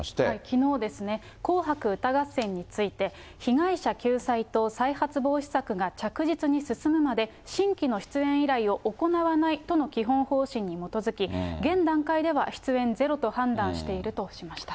きのうですね、紅白歌合戦について、被害者救済と再発防止策が着実に進むまで、新規の出演依頼を行わないとの基本方針に基づき、現段階では出演ゼロと判断しているとしました。